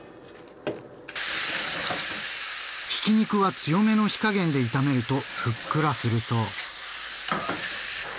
ひき肉は強めの火加減で炒めるとふっくらするそう。